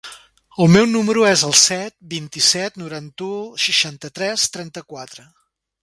El meu número es el set, vint-i-set, noranta-u, seixanta-tres, trenta-quatre.